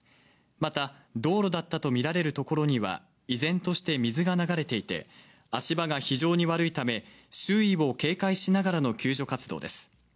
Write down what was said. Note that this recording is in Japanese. また道路だったとみられるところには依然として水が流れていって、足場が非常に悪いため、周囲を警戒しながらの救助活動です。